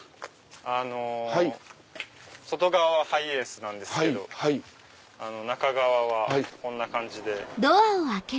外側はハイエースなんですけど中側はこんな感じで。